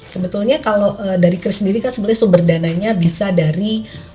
sebetulnya kalau dari kris sendiri kan sebenarnya sumber dananya bisa dari